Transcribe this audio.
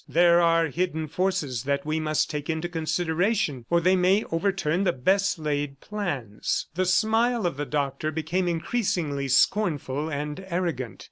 There are hidden forces that we must take into consideration or they may overturn the best laid plans." The smile of the Doctor became increasingly scornful and arrogant.